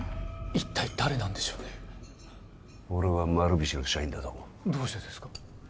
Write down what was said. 一体誰なんでしょうね俺は丸菱の社員だと思うどうしてですか？